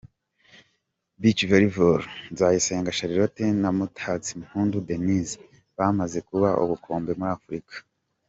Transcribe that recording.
Beach Volley: Nzayisenga Charlotte na Mutatsimpundu Denise bamaze kuba ubukombe muri Afurika.